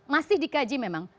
masih dikaji memang